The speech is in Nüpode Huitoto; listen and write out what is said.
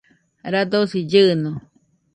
radosi llɨɨno